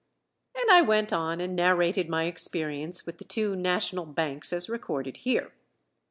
And I went on and narrated my experience with the two national banks as recorded here.